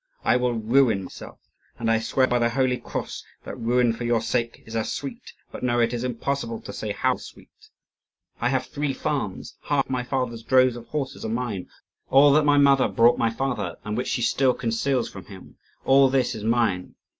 I will ruin myself. And I swear by the holy cross that ruin for your sake is as sweet but no, it is impossible to say how sweet! I have three farms; half my father's droves of horses are mine; all that my mother brought my father, and which she still conceals from him all this is mine!